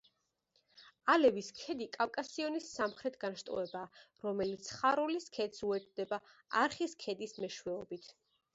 ალევის ქედი კავკასიონის სამხრეთ განშტოებაა, რომელიც ხარულის ქედს უერთდება არხის ქედის მეშვეობით.